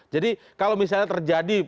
jadi kalau misalnya terjadi